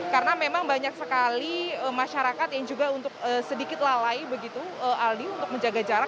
karena memang banyak sekali masyarakat yang juga untuk sedikit lalai begitu aldi untuk menjaga jarak